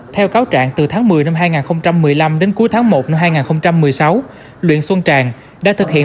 theo cáo trạng từ tháng một mươi năm hai nghìn một mươi năm đến cuối tháng một năm hai nghìn một mươi sáu luyện xuân tràn đã thực hiện